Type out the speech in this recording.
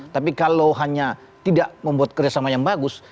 tapi kalau hanya tidak membuat kerjasama yang bagus